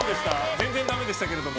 全然ダメでしたけども。